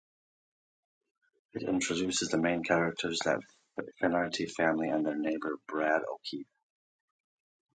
It introduces the main characters, the Finnerty Family and their neighbor Brad O'Keefe.